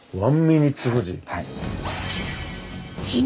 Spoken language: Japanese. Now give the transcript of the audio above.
はい。